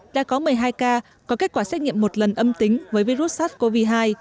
đã có một mươi hai ca có kết quả xét nghiệm một lần âm tính với virus sars cov hai